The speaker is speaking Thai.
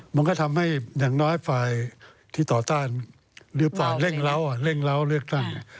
มันก็ทำให้อย่างน้อยฝ่ายที่ต่อต้านหรือฝ่ายเร่งเล้าเร่งเล้าเลือกตั้ง